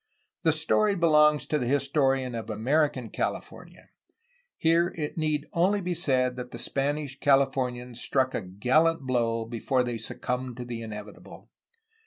The story belongs to the historian of American California. Here it need only be said that the Spanish Calif ornians struck a gallant blow before they succumbed to the inevitable.